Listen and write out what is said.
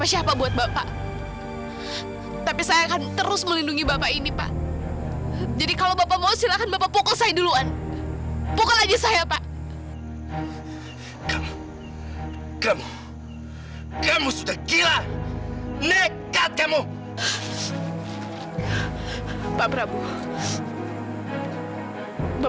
sampai jumpa di video selanjutnya